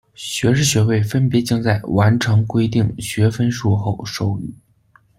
学士学位分别将在完成规定学分数后授予。